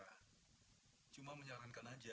hai cuma menyarankan aja